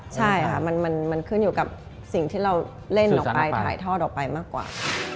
ใช่ค่ะมันขึ้นอยู่กับสิ่งที่เราเล่นออกไปถ่ายทอดออกไปมากกว่า